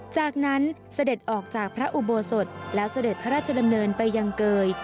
จากนั้นเสด็จออกจากพระอุโบสถแล้วเสด็จพระราชดำเนินไปยังเกย